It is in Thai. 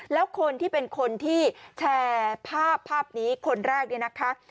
แล้วคนที่เป็นคนที่แชร์ภาพภาพนี้คนแรกเนี่ยนะคะ